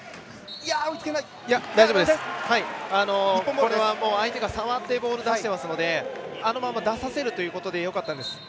これは相手が触ってボールを出してますのであのまま出させるということでよかったんです。